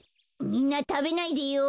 みんなたべないでよ。